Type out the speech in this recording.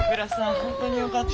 本当によかった。